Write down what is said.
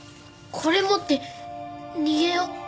これ持って逃げよう。